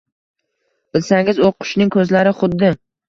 Bilsangiz, u qushning ko’zlari xuddi